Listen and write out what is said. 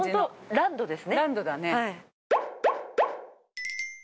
ランドだね。